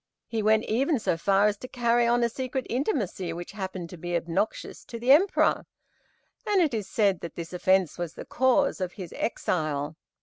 He went even so far as to carry on a secret intimacy, which happened to be obnoxious to the Emperor, and it is said that this offence was the cause of his exile."